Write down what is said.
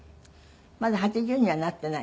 まだ８０にはなっていない。